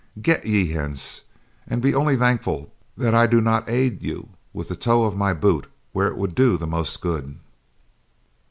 Get ye hence, and be only thankful that I do not aid you with the toe of my boot where it would do the most good."